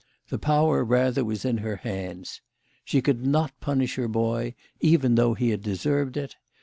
The power rather was in her hands. She could not punish her boy, even though he had deserved it.